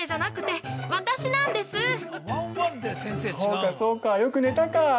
そうかそうか、よく寝たか。